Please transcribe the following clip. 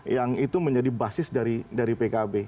yang itu menjadi basis dari pkb